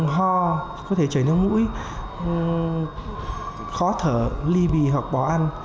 ho có thể chảy nước mũi khó thở ly bì hoặc bỏ ăn